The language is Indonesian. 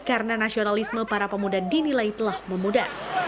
karena nasionalisme para pemuda dinilai telah memudar